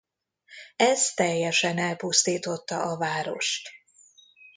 Ez teljesen elpusztította a várost.